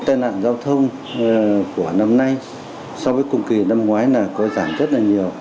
tai nạn giao thông của năm nay so với cùng kỳ năm ngoái là có giảm rất là nhiều